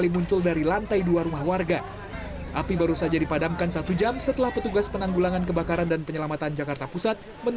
menurut camat senen